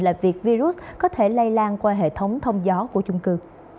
là việc virus có thể lây lan qua hệ thống thông gió của chung cư